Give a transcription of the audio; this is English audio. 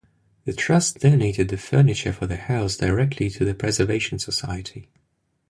The Trust donated the furniture for the house directly to the Preservation Society.